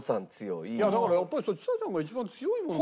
いやだからやっぱりちさちゃんが一番強いものが。